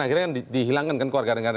akhirnya kan dihilangkan kan kewarganegaraan